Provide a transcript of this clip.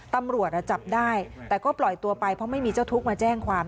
ตำรวจจับได้แต่ก็ปล่อยตัวไปเพราะไม่มีเจ้าทุกข์มาแจ้งความ